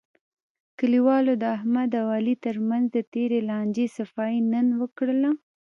کلیوالو د احمد او علي ترمنځ د تېرې لانجې صفایی نن وکړله.